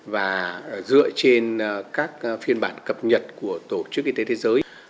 và dựa trên các phiên bản cập nhật của tổ chức y tế thế giới